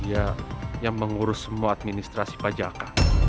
ini dia yang mengurus semua administrasi pajak